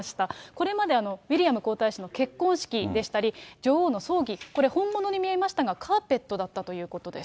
これまでウィリアム皇太子の結婚式でしたり、女王の葬儀、これ本物に見えましたが、カーペットだったということです。